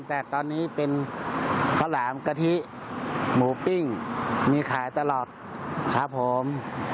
แต่ตอนนี้เป็นข้าวหลามกะทิหมูปิ้งมีขายตลอดครับผม